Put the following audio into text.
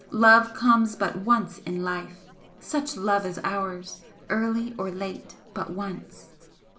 love comes but once in life such love as ours! early or late, but once!"